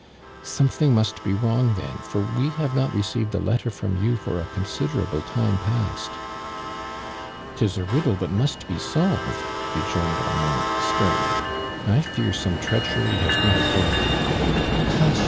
" Something must be wrong then, for we have not received a letter from you for a considerable time past." "'Tis a riddle that must be solved," re joined Armand, sternly. "I fear some treachery has been at work." " Hush